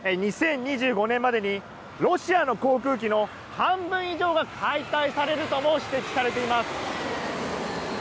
２０２５年までにロシアの航空機の半分以上が解体されるとも指摘されています。